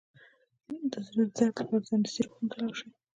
د زړه د درد لپاره سمدستي روغتون ته لاړ شئ